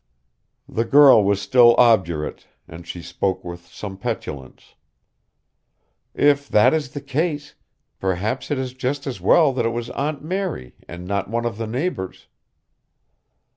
The girl was still obdurate, and she spoke with some petulance. "If that is the case, perhaps it is just as well that it was Aunt Mary and not one of the neighbors."